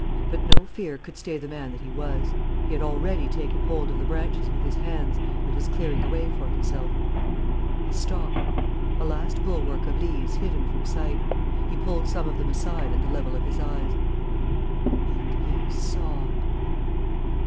But no fear could stay the man that he was. He had already taken hold of the branches with his hands and was clearing a way for himself. He stopped. A last bulwark of leaves hid him from sight. He pulled some of them aside at the level of his eyes. And he saw